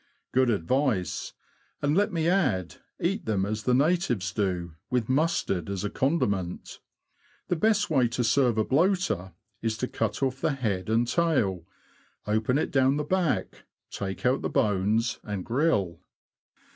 Good advice ! and, let me add, eat them as the natives do, with mustard as a condiment. The best way to serve a bloater is to cut off the head and tail, open it down the back, take out the bones, and grill.